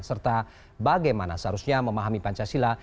serta bagaimana seharusnya memahami pancasila